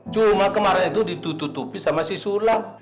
cuma kemarin itu ditutupi sama si sulam